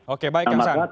oke baik kang saan